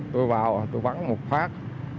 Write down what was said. tôi vào tôi vắng một phát